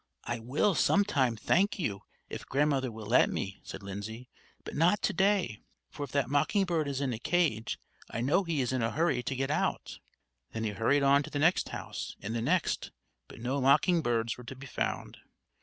"I will sometime, thank you, if Grandmother will let me," said Lindsay; "but not to day; for if that mocking bird is in a cage, I know he's in a hurry to get out." Then he hurried on to the next house, and the next; but no mocking birds were to be found.